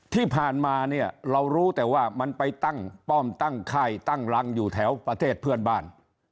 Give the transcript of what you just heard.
ที่ผ่านมาเนี่ยเรารู้แต่ว่ามันไปตั้งป้อมตั้งค่ายตั้งรังอยู่แถวประเทศเพื่อนบ้าน